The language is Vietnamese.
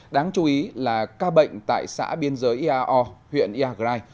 đáng chú ý là ca bệnh tại xã biên giới iao huyện iagrai